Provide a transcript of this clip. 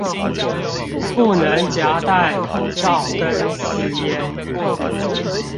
不能夾帶口罩跟私菸